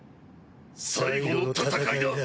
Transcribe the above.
最後の戦いだ。